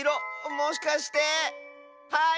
もしかして⁉はい！